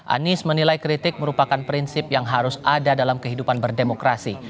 anies menilai kritik merupakan prinsip yang harus ada dalam kehidupan berdemokrasi